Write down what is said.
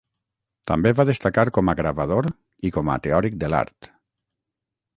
També va destacar com a gravador i com a teòric de l'art.